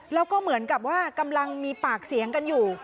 แล้วก็เหมือนกับว่ากำลังมีปากเสียงกันอยู่